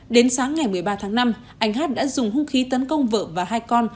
đến sáng ngày một mươi ba tháng năm anh hát đã dùng hung khí tấn công vợ và hai con